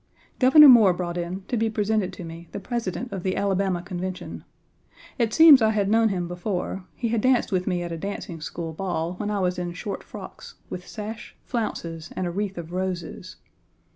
Governor Moore brought in, to be presented to me, the President of the Alabama Convention. It seems I had Page 16 known him before he had danced with me at a dancing school ball when I was in short frocks, with sash, flounces, and a wreath of roses.